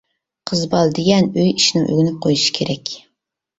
قىز بالا دېگەن ئۆي ئىشىنىمۇ ئۆگىنىپ قويۇشى كېرەك.